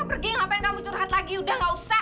pergi ngapain kamu curhat lagi udah gak usah